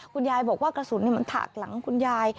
คุณยายบอกว่ากระสุนมันถากหลังคุณยาย